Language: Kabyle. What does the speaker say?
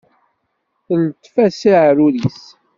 Teltef-as aεrur-is.